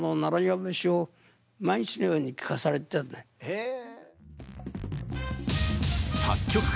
へえ。